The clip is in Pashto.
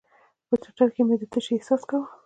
په ټټر کښې مې د تشې احساس کاوه.